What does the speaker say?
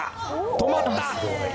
止まった！